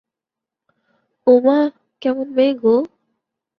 ওমা, কেমন মেয়ে গো!